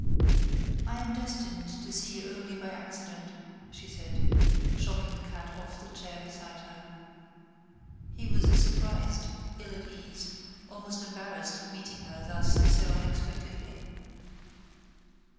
"I am destined to see you only by accident," she said, shoving the cat off the chair beside her. He was surprised, ill at ease, almost embarrassed at meeting her thus so unexpectedly.